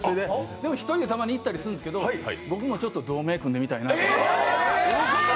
でも１人でたまに行ったりするんですけど僕も同盟組んでみたいなと思いました。